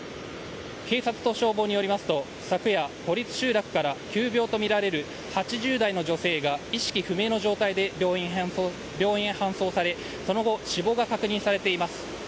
警察と消防によりますと昨夜、孤立集落から急病とみられる８０代の女性が意識不明の状態で病院へ搬送されその後、死亡が確認されています。